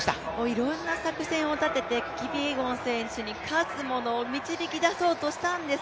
いろんな作戦を立ててキピエゴン選手に勝つものを導きだそうとしたんです。